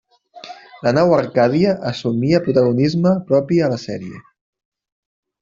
La nau Arcàdia assumia protagonisme propi a la sèrie.